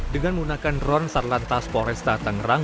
dengan menggunakan drone sarlantas foresta tangerang